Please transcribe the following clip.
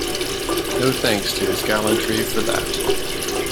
No thanks to his gallantry for that.